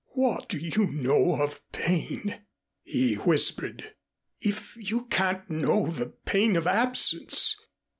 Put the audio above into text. "What do you know of pain," he whispered, "if you can't know the pain of absence?